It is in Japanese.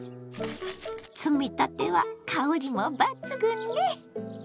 摘みたては香りも抜群ね！